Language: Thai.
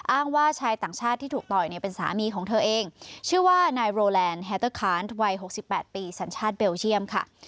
ว่าชายต่างชาติที่ถูกต่อยเนี่ยเป็นสามีของเธอเองชื่อว่านายโรแลนด์แฮเตอร์คานวัย๖๘ปีสัญชาติเบลเชียมค่ะ